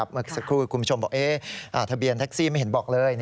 เมื่อสักครู่คุณผู้ชมบอกทะเบียนแท็กซี่ไม่เห็นบอกเลย